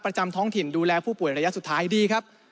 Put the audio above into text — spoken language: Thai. ท้องถิ่นดูแลผู้ป่วยระยะสุดท้ายดีครับ